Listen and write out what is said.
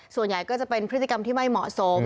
ส่วนใหญ่ก็จะเป็นพฤติกรรมที่ไม่เหมาะสม